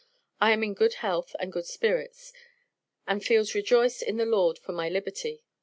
I am in good health and good Spirits, and feeles Rejoiced in the Lord for my liberty.